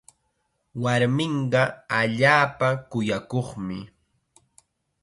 Warminqa allaapa kuyakuqmi.